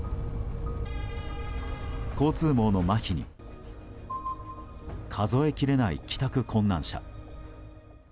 交通網のまひに数えきれない帰宅困難者。